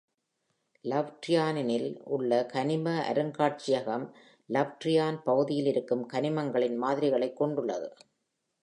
லவ்ரியானினில் உள்ள கனிம அருங்காட்சியகம் லவ்ரியான் பகுதியிலிருக்கும் கனிமங்களின் மாதிரிகளைக் கொண்டுள்ளது.